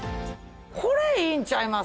これいいんちゃいます？